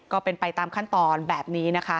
ก็เป็นไปตามขั้นตอนแบบนี้นะคะ